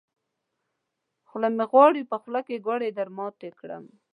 زړه مې غواړي، په خوله کې ګوړې درماتې کړم.